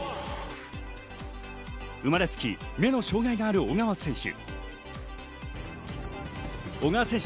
生まれつき目の障がいがある小川選手。